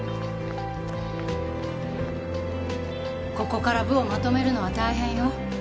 ここから部をまとめるのは大変よ。